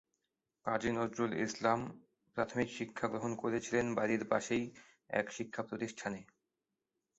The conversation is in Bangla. কাজী নজরুল ইসলাম প্রাথমিক শিক্ষা গ্রহণ করেছিলেন বাড়ির পাশেই এক শিক্ষা প্রতিষ্ঠানে।